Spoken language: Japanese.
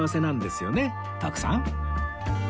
徳さん